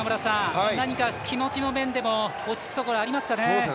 何か気持ちの面でも落ち着くところありますかね。